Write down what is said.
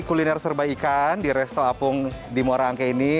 kuliner serba ikan di resto apung di muara angke ini